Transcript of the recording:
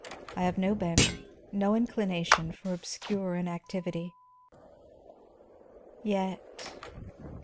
I have no bent, no inclination, for obscure inactivity." "Yet?"